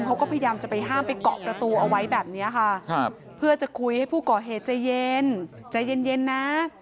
เขาก็พยายามจะไปห้ามไปเกาะประตูเอาไว้แบบนี้ค่ะเพื่อจะคุยให้ผู้ก่อเหตุใจเย็นใจเย็นนะ